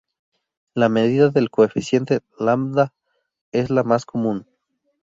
La medida del coeficiente Lambda es la más común.